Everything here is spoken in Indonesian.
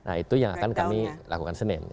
nah itu yang akan kami lakukan senin